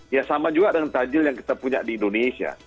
ya sama juga dengan tajil yang kita punya di indonesia